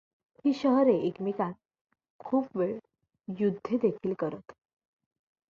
ही शहरे एकमेकांत खूपवेळ युद्धे देखील करत.